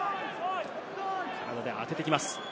体で当ててきます。